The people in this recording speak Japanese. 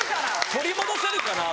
取り戻せるかな。